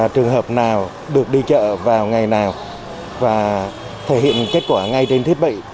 trường hợp nào được đi chợ vào ngày nào và thể hiện kết quả ngay trên thiết bị